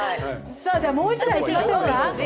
もう１台いきましょうか。